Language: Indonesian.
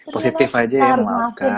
positif aja ya